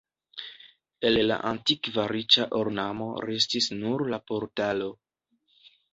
El la antikva riĉa ornamo restis nur la portalo.